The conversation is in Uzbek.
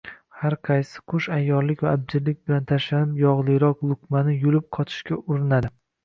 Har qaysi qush ayyorlik va abjirlik bilan tashlanib yog‘liroq luqmani yulib qochishga urinadi.